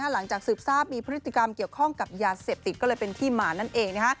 หลังจากสืบทราบมีพฤติกรรมเกี่ยวข้องกับยาเสพติดก็เลยเป็นที่มานั่นเอง